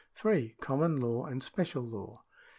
Common law and special law.